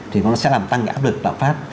thì nó sẽ làm tăng cái áp lực lạc phát